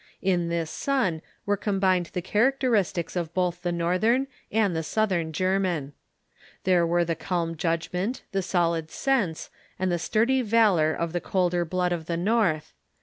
In this son were combined the characteristics of both the northern and the southern German. There were the calm 216 THE EEFORMATION judgment, the solid sense, and the sturdy valor of the colder blood of the North.